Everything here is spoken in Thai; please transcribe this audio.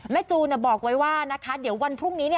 จูนบอกไว้ว่านะคะเดี๋ยววันพรุ่งนี้